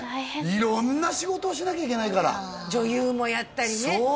色んな仕事をしなきゃいけないから女優もやったりねそう！